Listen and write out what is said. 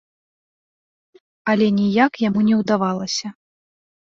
Але ніяк яму не ўдавалася.